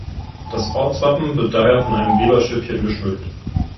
Das Ortswappen wird daher von einem Weberschiffchen geschmückt.